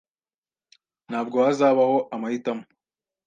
Ntabwo hazabaho amahitamo.